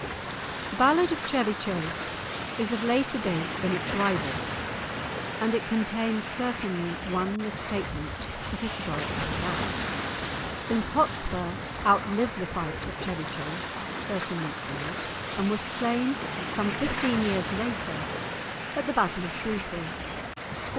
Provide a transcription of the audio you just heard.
The ballad of Chevy Chase is of later date than its rival, and it contains certainly one misstatement of historical fact, since Hotspur outlived the fight at Chevy Chase (1388) and was slain some fifteen years later at the battle of Shrewsbury (1403).